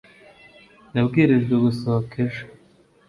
nabwirijwe gusohoka ejo